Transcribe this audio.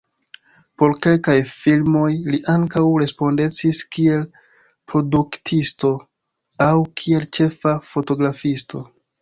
Por kelkaj filmoj li ankaŭ respondecis kiel produktisto aŭ kiel ĉefa fotografisto.